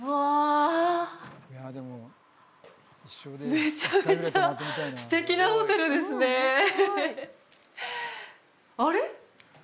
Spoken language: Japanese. めちゃめちゃ素敵なホテルですねあれ？